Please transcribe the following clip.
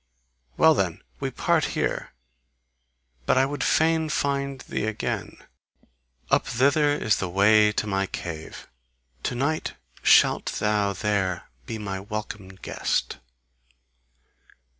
Well then! We part here! But I would fain find thee again. Up thither is the way to my cave: to night shalt thou there be my welcome guest!